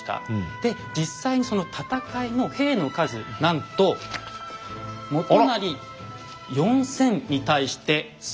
で実際にその戦いの兵の数なんと元就４，０００に対して陶軍は２０，０００と。